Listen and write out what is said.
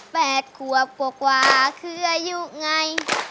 แปดขวบกว่าคืออายุไง